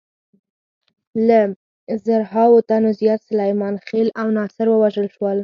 له زرهاوو تنو زیات سلیمان خېل او ناصر ووژل شول.